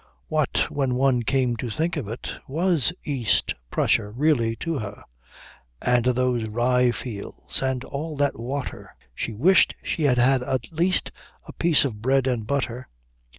What, when one came to think of it, was East Prussia really to her, and those rye fields and all that water? She wished she had had at least a piece of bread and butter.